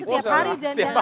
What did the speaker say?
ini setiap hari jangan jangan